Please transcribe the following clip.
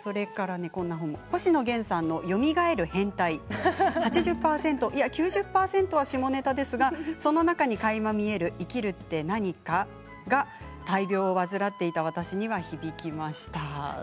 それから星野源さんの「よみがえる変態」９０％は下ネタですがその中にかいま見える生きるって何か大病を患っていた私には響きました。